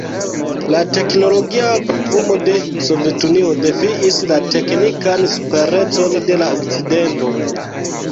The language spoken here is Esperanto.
La teknologia povumo de Sovetunio defiis la teknikan superecon de la Okcidento.